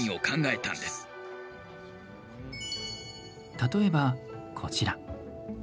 例えば、こちら。